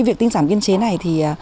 việc tin giảng biên chế này